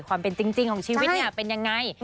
ความเป็นจริงของชีวิตเป็นอย่างไร